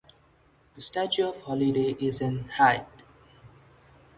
The statue of Holiday is in height.